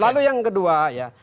lalu yang kedua ya